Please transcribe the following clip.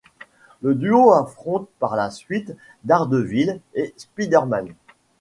Le duo affronte par la suite Daredevil et Spider-Man.